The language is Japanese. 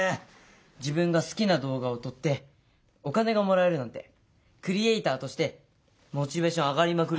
自分が好きな動画を撮ってお金がもらえるなんてクリエーターとしてモチベーション上がりまくりですよ！